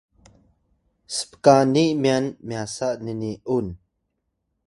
spkani myan myasa nni’un